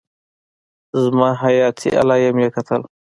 زما حياتي علايم يې کتل.